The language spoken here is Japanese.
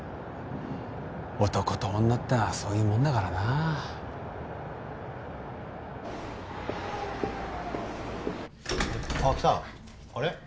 男と女ってのはそういうもんだからなあッ来たあれ？